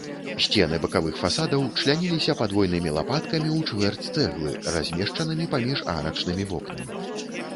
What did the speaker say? Сцены бакавых фасадаў чляніліся падвойнымі лапаткамі у чвэрць цэглы, размешчанымі паміж арачнымі вокнамі.